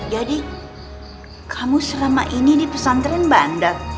jadi kamu selama ini dipesantren bandar